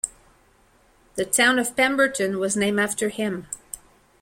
The town of Pemberton was named after him.